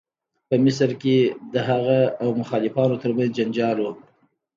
په مصر کې د هغه او مخالفانو تر منځ جنجال و.